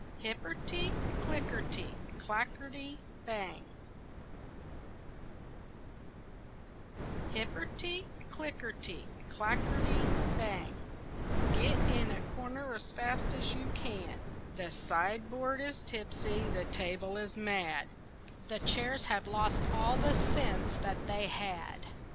HIPPERTY, CLICKERTY, CLACKERTY, BANG Hipperty, clickerty, clackerty, bang, Get in a corner as fast as you can! The sideboard is tipsy, the table is mad, The chairs have lost all the sense that they had.